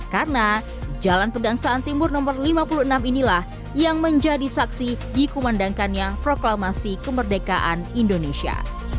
karena jalan pegangsaan timur no lima puluh enam inilah yang menjadi saksi dikumandangkannya proklamasi kemerdekaan indonesia